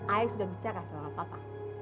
ayah sudah bicara sama papa